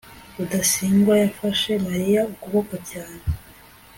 rudasingwa yafashe mariya ukuboko cyane